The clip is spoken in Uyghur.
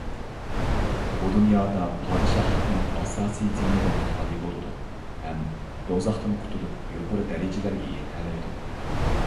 بۇ دۇنيادا پادىشاھلىقنىڭ ئاساسىي زىيىنىدىن خالىي بولىدۇ ھەم دوزاختىن قۇتۇلۇپ يۇقىرى دەرىجىلەرگە يېتەلەيدۇ.